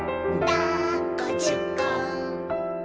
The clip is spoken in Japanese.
「だっこじゅっこ」